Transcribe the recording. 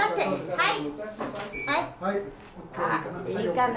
はい。